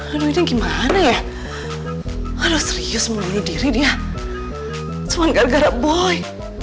aduh ini gimana ya aduh serius mau bunuh diri dia cuma gara gara boy